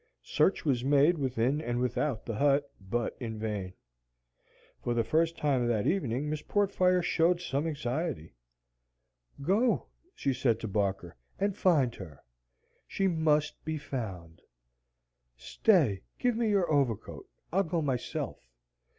Search was made within and without the hut, but in vain. For the first time that evening Miss Portfire showed some anxiety. "Go," she said to Barker, "and find her. She MUST be found; stay, give me your overcoat, I'll go myself."